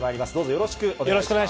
よろしくお願いします。